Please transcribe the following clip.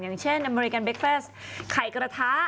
อย่างเช่นอเมริกันเบคเฟสไข่กระทะ